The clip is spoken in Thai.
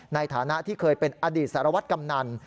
ในฐานะที่เคยเป็นอดีตสารวัตรกำนัน